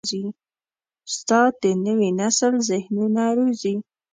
استاد د نوي نسل ذهنونه روزي.